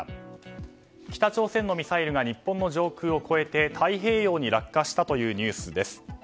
北朝鮮のミサイルが日本の上空を越えて太平洋に落下したというニュースです。